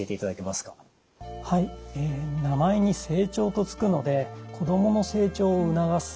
はい名前に「成長」と付くので子供の成長を促す